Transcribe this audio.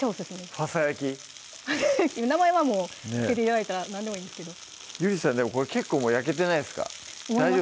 ファサ焼き名前はもう何でもいいんですけどゆりさんでもこれ結構もう焼けてないですか？